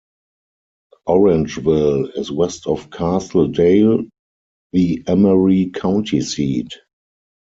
Orangeville is west of Castle Dale, the Emery County seat.